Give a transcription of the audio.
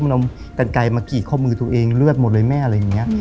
มันเอากันไกลมากรีดข้อมือตัวเองเลือดหมดเลยแม่อะไรอย่างนี้